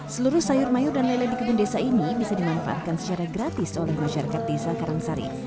seluruh sayur mayur dan lele di kebun desa ini bisa dimanfaatkan secara gratis oleh masyarakat desa karangsari